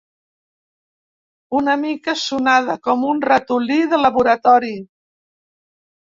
Una mica sonada, com un ratolí de laboratori.